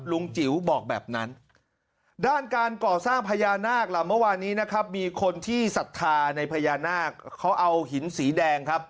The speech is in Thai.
จิ๋วบอกแบบนั้นด้านการก่อสร้างพญานาคล่ะเมื่อวานนี้นะครับมีคนที่ศรัทธาในพญานาคเขาเอาหินสีแดงครับ